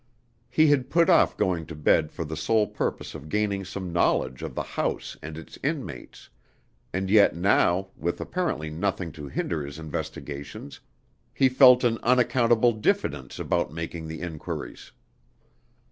He had put off going to bed for the sole purpose of gaining some knowledge of the house and its inmates; and yet now, with apparently nothing to hinder his investigations, he felt an unaccountable diffidence about making the inquiries.